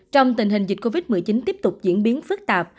trong tình hình dịch covid một mươi chín tiếp tục diễn biến phức tạp